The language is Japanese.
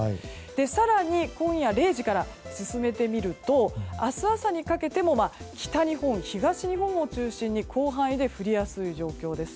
更に今夜０時から進めてみると明日朝にかけても北日本、東日本を中心に広範囲で降りやすい状況です。